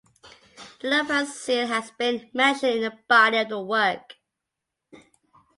The leopard seal has been mentioned in the body of the work.